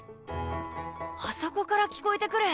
あそこから聞こえてくる。